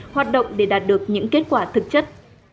hoạt động để đạt được những kết quả thực chất